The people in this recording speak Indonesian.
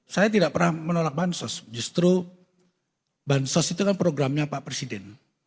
saya tidak pernah menolak bansos justru bansos itu kan programnya pak presiden